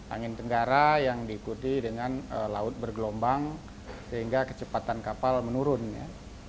angin tenggara yang diikuti dengan laut bergelombang sehingga kecepatan kapal menurun ya